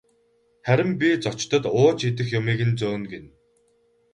Харин би зочдод ууж идэх юмыг нь зөөнө гэнэ.